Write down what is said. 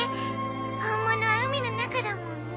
本物は海の中だもんね。